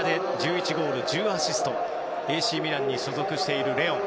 １０アシストＡＣミランに所属しているレオン。